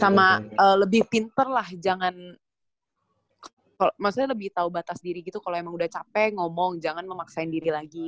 sama lebih pinter lah jangan maksudnya lebih tahu batas diri gitu kalau emang udah capek ngomong jangan memaksain diri lagi